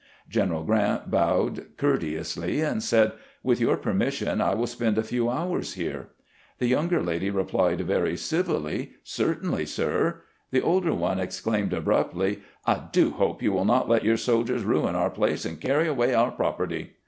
General Grant bowed courteously and said, "With your permission, I wiU spend a few hours here." The younger lady repHed very civilly, " Certainly, sir." The older one exclaimed abruptly, " I do hope you will not let your soldiers ruin our place and carry away our property."